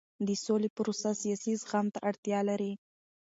د سولې پروسه سیاسي زغم ته اړتیا لري